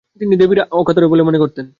তিনি দেবীর অবতার বলে মনে করতেন।